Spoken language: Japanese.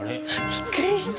びっくりした！